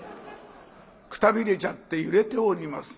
くたびれちゃって揺れております。